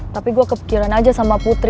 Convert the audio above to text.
tapi gue kepikiran aja sama putri